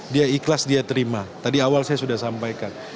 dia ikhlas dia terima tadi awal saya sudah sampaikan